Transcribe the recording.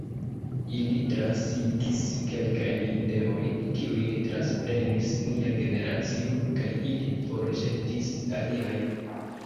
Ili transigis kelkajn ideojn, kiujn transprenis nia generacio, kaj ili forĵetis aliajn.